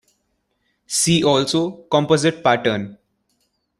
See also Composite pattern.